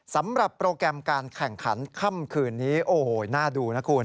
สำหรับโปรแกรมการแข่งขันค่ำคืนนี้โอ้โหน่าดูนะคุณ